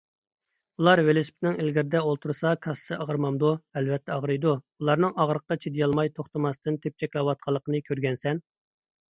_ ئۇلار ۋېلىسىپىتنىڭ ئېگىرىدە ئولتۇرسا كاسسىسى ئاغرىمامدۇ؟ _ ئەلۋەتتە ئاغرىيدۇ، ئۇلارنىڭ ئاغرىققا چىدىيالماي توختىماستىن تېپىچەكلەۋاتقانلىقىنى كۆرگەنىسەن.